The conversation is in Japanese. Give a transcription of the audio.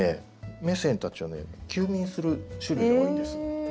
メセンたちはね休眠する種類が多いんです。